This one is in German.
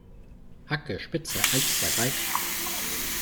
Hacke, Spitze, eins, zwei, drei!